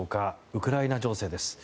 ウクライナ情勢です。